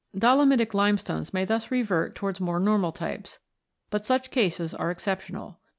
Dolomitic limestones may thus revert towards more normal types ; but such cases are exceptional.